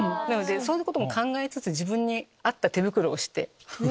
そういうことも考えつつ自分に合った手袋をして身を守る。